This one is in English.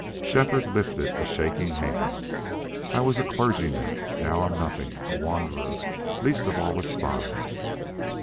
Shefford lifted a shaking hand. "I WAS a clergyman. Now I'm nothing a wanderer least of all a spy."